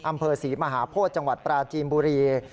อำเภอศรีมหาโพธิจังหวัดปราจีนบุรี